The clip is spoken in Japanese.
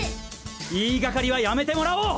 言いがかりはやめてもらおう！